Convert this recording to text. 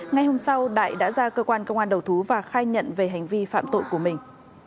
ngày hôm sau đại đã ra cơ quan công an đầu thú và khai nhận về hành vi phạm tội của mình